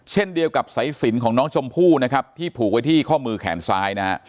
เช่นเดียวกับสายสินของน้องชมพู่นะครับที่ผูกไว้ที่ข้อมือแขนซ้ายนะฮะ